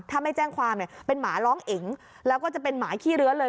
ถ้าไม่แจ้งความเนี่ยเป็นหมาร้องเอ๋งแล้วก็จะเป็นหมาขี้เลื้อเลย